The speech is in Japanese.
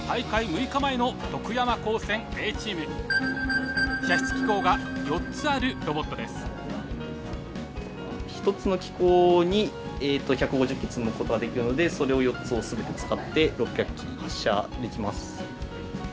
１つの機構に１５０機積むことができるのでそれを４つを全て使って６００機発射できます。